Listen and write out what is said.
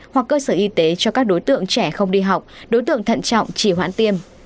hoặc cơ sở y tế cho các đối tượng trẻ không đi học đối tượng thận trọng chỉ hoãn tiêm